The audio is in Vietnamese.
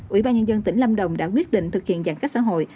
ủy ban nhân dân tỉnh lâm đồng đã quyết định thực hiện giãn cách xã hội